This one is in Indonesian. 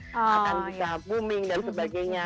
akan bisa booming dan sebagainya